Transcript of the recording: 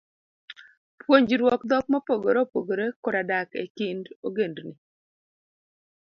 Puonjruok dhok mopogore opogore, koda dak e kind ogendini